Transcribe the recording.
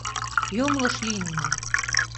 — Йоҥылыш лийынна!